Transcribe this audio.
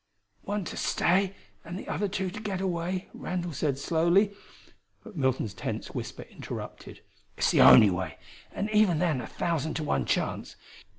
"One to stay and the other two to get away...." Randall said slowly; but Milton's tense whisper interrupted: "It's the only way, and even then a thousand to one chance!